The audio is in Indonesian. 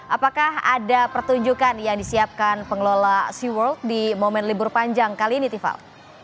apakah ada pertunjukan yang disiapkan pengelola sea world di momen libur panjang kali ini tiffal